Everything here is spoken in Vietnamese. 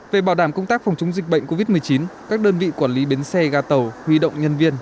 về bảo đảm công tác phòng chống dịch bệnh covid một mươi chín các đơn vị quản lý bến xe ga tàu huy động nhân viên